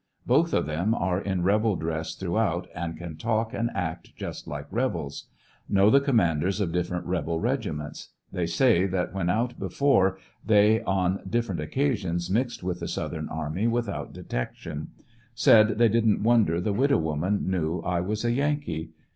Both of them are in rebel dress throughout, and can talk and act just like rebels. Know the commanders of different rebel regiments. They say that when out before they on different occasions mixed with the South ern army, without detection Said they didn't wonder the widow woman knew 1 was a Yankee.